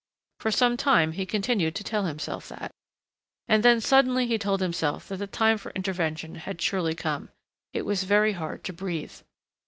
For some time he continued to tell himself that. And then suddenly he told himself that the time for intervention had surely come. It was very hard to breathe.